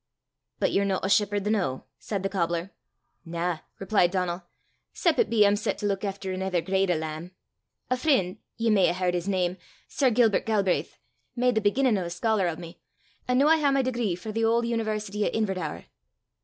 "But ye're no a shepherd the noo?" said the cobbler. "Na," replied Donal, " 'cep' it be I'm set to luik efter anither grade o' lamb. A freen' ye may a' h'ard his name sir Gilbert Galbraith made the beginnin' o' a scholar o' me, an' noo I hae my degree frae the auld university o' Inverdaur."